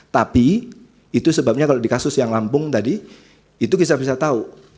tapi itu sebabnya kalau di kasus yang lampung tadi itu kita bisa tahu